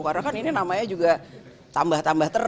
karena kan ini namanya juga tambah tambah terbit